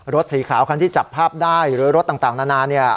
รถสีขาวเค้าให้จับภาพได้นะฮะรถหลายนานานเนี้ย